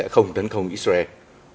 không tấn công israel